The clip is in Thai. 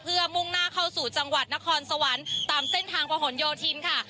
เพื่อมุ่งหน้าเข้าสู่จังหวัดนครสวรรค์ตามเส้นทางประหลโยธินค่ะ